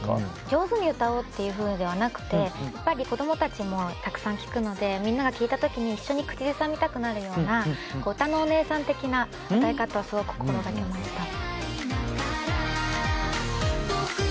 上手に歌おうっていうふうではなくてやっぱり子供たちもたくさん聴くのでみんなが聴いた時に一緒に口ずさみたくなるようなうたのお姉さん的な歌い方をすごく心掛けました。